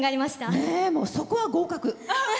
そこは合格！